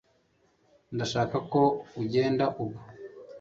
ndashaka ko ugenda ubu